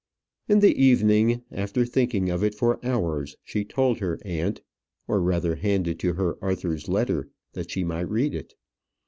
In the evening, after thinking of it for hours, she told her aunt; or, rather, handed to her Arthur's letter, that she might read it.